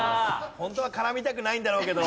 ホントは絡みたくないんだろうけど。